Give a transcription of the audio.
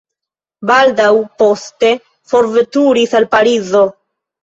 Baldaŭ poste forveturis al Parizo.